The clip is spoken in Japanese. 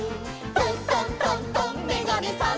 「トントントントンめがねさん」